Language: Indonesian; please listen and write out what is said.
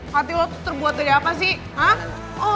hati lo tuh terbuat dari apa sih